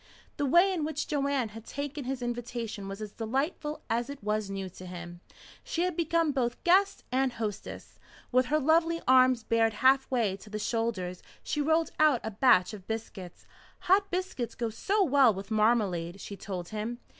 The way in which Joanne had taken his invitation was as delightful as it was new to him. She had become both guest and hostess. With her lovely arms bared halfway to the shoulders she rolled out a batch of biscuits. "Hot biscuits go so well with marmalade," she told him.